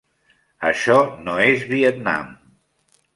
Això no és Vietnam.